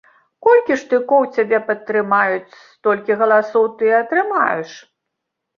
Колькі штыкоў цябе падтрымаюць, столькі галасоў ты і атрымаеш.